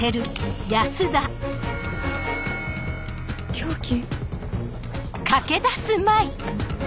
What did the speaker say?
凶器。